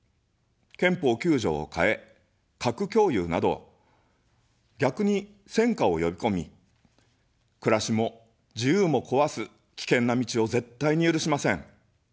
憲法９条を変え、核共有など、逆に戦火をよびこみ、暮らしも自由も壊す、危険な道を絶対に許しません。